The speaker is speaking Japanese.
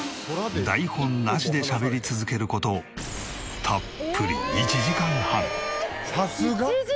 台本なしでしゃべり続ける事たっぷり１時間半。